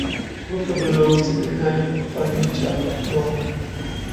Rokha belongs to the nyaya panchayat of Mau.